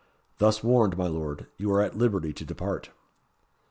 Thus warned, my Lord, you are at liberty to depart."